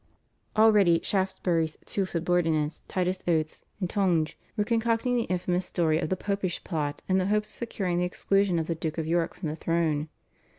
Already Shaftesbury's two subordinates, Titus Oates and Tonge, were concocting the infamous story of the Popish Plot in the hope of securing the exclusion of the Duke of York from the throne.